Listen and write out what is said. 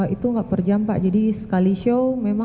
itu nggak per jam pak jadi sekali show memang